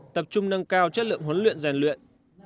tập trung nâng cao chất lượng huấn luyện rèn luyện